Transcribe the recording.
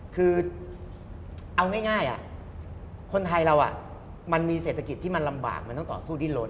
คือเอาง่ายคนไทยเรามันมีเศรษฐกิจที่มันลำบากมันต้องต่อสู้ดิ้นลน